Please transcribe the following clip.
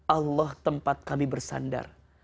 allah tempat kami bersandar